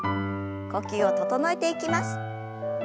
呼吸を整えていきます。